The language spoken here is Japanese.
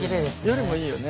夜もいいよね。